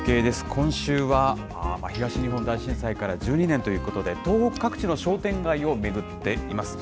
今週は、東日本大震災から１２年ということで、東北各地の商店街を巡っています。